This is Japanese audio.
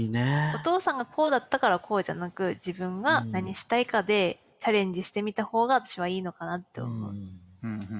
お父さんがこうだったからこうじゃなく自分が何したいかでチャレンジしてみたほうが私はいいのかなって思う。